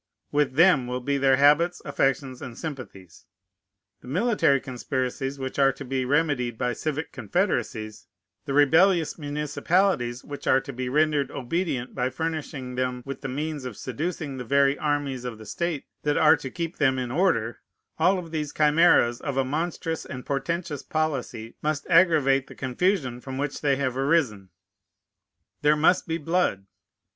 With them will be their habits, affections, and sympathies. The military conspiracies which are to be remedied by civic confederacies, the rebellious municipalities which are to be rendered obedient by furnishing them with the means of seducing the very armies of the state that are to keep them in order, all these chimeras of a monstrous and portentous policy must aggravate the confusion from which they have arisen. There must be blood.